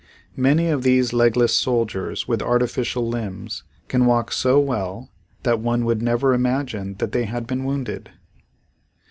Many of these legless soldiers with artificial limbs can walk so well that one would never imagine that they had been wounded.